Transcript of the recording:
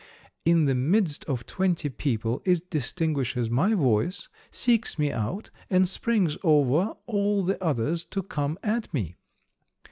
In the midst of twenty people it distinguishes my voice, seeks me out and springs over all the others to come at me."